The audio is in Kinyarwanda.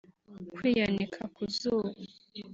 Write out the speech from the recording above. Kwiyanika ku zuba